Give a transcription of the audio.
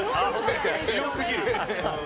強すぎる。